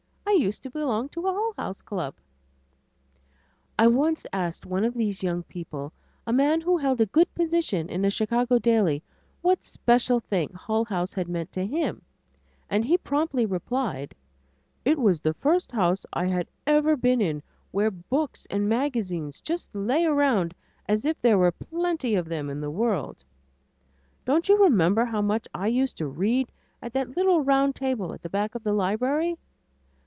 I used to belong to a Hull House club." I once asked one of these young people, a man who held a good position on a Chicago daily, what special thing Hull House had meant to him, and he promptly replied, "It was the first house I had ever been in where books and magazines just lay around as if there were plenty of them in the world. Don't you remember how much I used to read at that little round table at the back of the library?